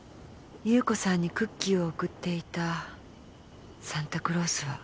優子さんにクッキーを贈っていたサンタクロースは。